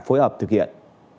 phối hợp thực hiện